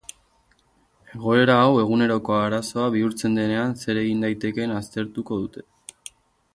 Egoera hau eguneroko arazo bihurtzen denean zer egin daitekeen aztertuko dute.